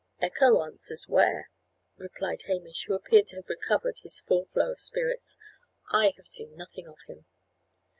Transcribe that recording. "Echo answers where," replied Hamish, who appeared to have recovered his full flow of spirits. "I have seen nothing of him."